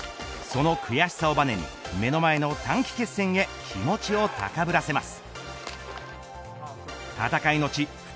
その悔しさをばねに目の前の短期決戦へ気持ちを高ぶらせます。